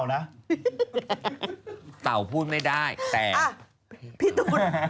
มันพูดได้เหมือนเต่า